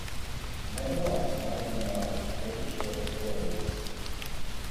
Nevertheless, Mulliner narrates forty short stories.